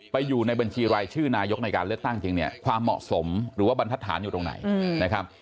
อยู่ในบัญชีรายชื่อนายกในการเลือกตั้งจริงเนี่ยความเหมาะสมหรือว่าบรรทัศน์อยู่ตรงไหนนะครับ